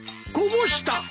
こぼした！